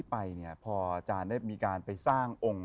พระพุทธพิบูรณ์ท่านาภิรม